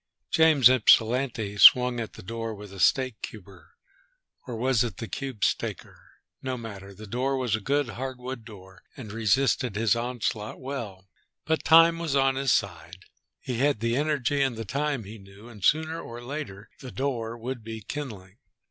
James Ypsilanti swung at the door with the steak cuber. Or was it the cube steaker? No matter. The door was a good, hardwood door and resisted his onslaught well. But time was on his side. He had the energy and the time, he knew, and sooner or later the door would be kindling.